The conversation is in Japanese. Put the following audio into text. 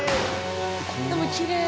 でもきれい。